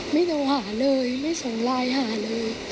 ไม่ต้องหาเลยไม่ส่งไลน์หาเลย